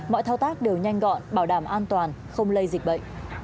mọi thao tác đều nhanh gọn bảo đảm an toàn không lây dịch bệnh